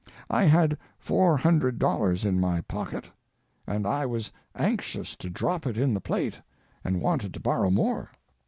I had four hundred dollars in my pocket, and I was anxious to drop it in the plate and wanted to borrow more.